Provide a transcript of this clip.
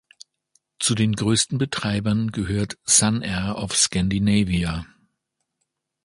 Zu den größten Betreibern gehört Sun Air of Scandinavia.